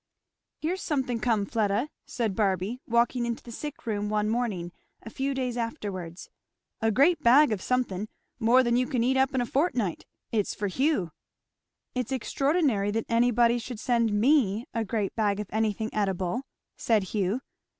"Here's something come, Fleda," said Barby walking into the sick room one morning a few days afterwards, "a great bag of something more than you can eat up in a fortnight it's for Hugh." "It's extraordinary that anybody should send me a great bag of anything eatable," said Hugh.